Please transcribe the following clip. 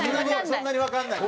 そんなにわかんない。